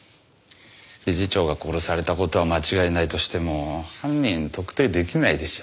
理事長が殺された事は間違いないとしても犯人特定できないでしょ？